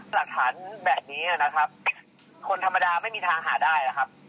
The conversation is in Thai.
หลักฐานแบบนี้นะครับคนธรรมดาไม่มีทางหาได้นะครับ